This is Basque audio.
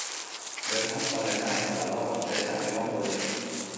Bertan, zaharrena eta lau gazteenak egongo dira.